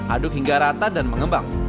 aduk hingga rata dan mengembang